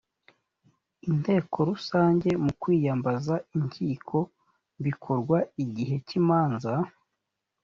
inteko rusange mu kwiyambaza inkiko bikorwa igihe cy’imanza